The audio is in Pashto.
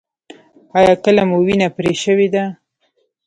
ایا کله مو وینه پرې شوې ده؟